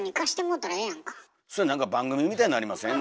それ何か番組みたいになりません？